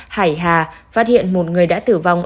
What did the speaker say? hải hà phát hiện một người đã tử vong